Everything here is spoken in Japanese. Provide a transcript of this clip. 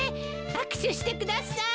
握手してください。